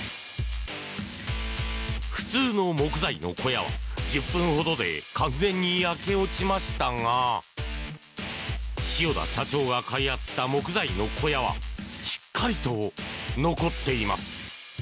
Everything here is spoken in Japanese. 普通の木材の小屋は１０分ほどで完全に焼け落ちましたが塩田社長が開発した木材の小屋はしっかりと残っています。